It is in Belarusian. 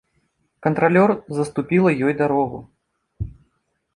Кантралёр заступіла ёй дарогу.